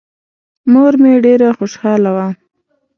مور مې ډېره خوشحاله وه.